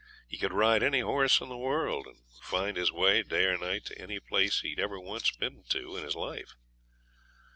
He could ride any horse in the world, and find his way, day or night, to any place he'd ever once been to in his life.